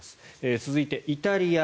続いて、イタリア。